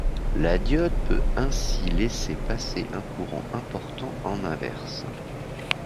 La diode peut ainsi laisser passer un courant important en inverse.